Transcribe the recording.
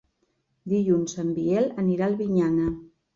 Dilluns en Biel anirà a Albinyana.